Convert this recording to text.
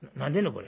これ。